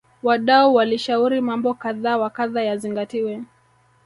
wadau walishauri mambo kadha wa kadha yazingatiwe